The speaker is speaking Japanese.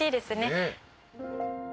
「ねえ」